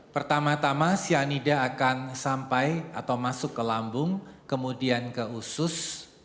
pertama tama cyanida akan sampai atau masuk ke lambung kemudian ke usus